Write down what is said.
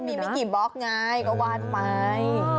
ก็มีไม่กี่บล็อกไงก็วาดใหม่